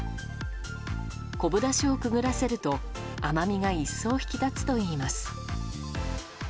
昆布だしをくぐらせると甘みが一層引き立つといいます。